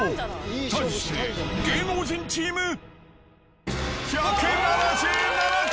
対して、芸能人チーム１７７個。